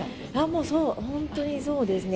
もう、そう、本当にそうですね。